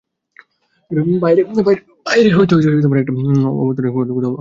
বাইরে হয়তো একটা অকর্তব্যের কোথাও আবির্ভাব হয়েছিল, লক্ষ করি নি।